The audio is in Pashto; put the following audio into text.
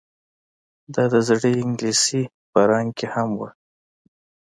دا د زړې انګلیسي په رنګ کې هم وه